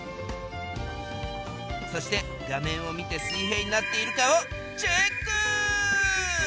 そして画面を見て水平になっているかをチェック！